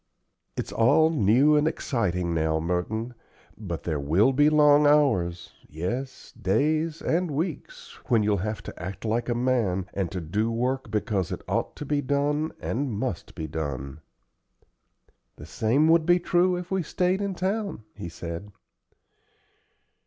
"It's all new and exciting now, Merton, but there will be long hours yes, days and weeks when you'll have to act like a man, and to do work because it ought to be done and must be done." "The same would be true if we stayed in town," he said.